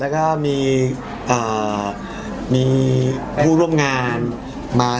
เป็นเทอเวนต์แรกที่มีพี่แล้วก็มีผู้ร่วมงานมา